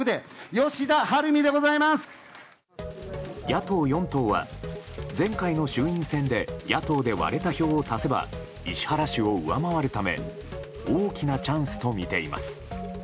野党４党は前回の衆院選で野党で割れた票を足せば石原氏を上回るため大きなチャンスとみています。